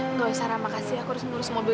nggak usah makasih aku harus menurus mobil dulu